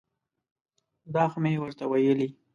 دا خو مې ورته ویلي.